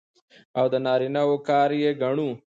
او د نارينه وو کار يې ګڼو.